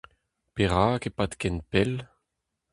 Perak e pad ken pell ?